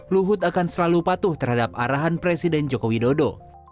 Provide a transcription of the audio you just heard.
luhut akan selalu patuh terhadap arahan presiden jokowi dodo